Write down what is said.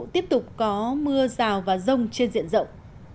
tiếp tục có mưa rào và rông trên diện rộng